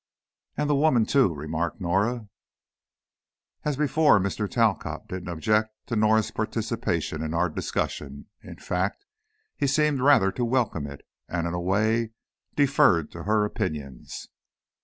"And the woman, too," remarked Norah. As before Mr. Talcott didn't object to Norah's participation in our discussion, in fact, he seemed rather to welcome it, and in a way, deferred to her opinions.